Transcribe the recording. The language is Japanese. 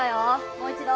もう一度。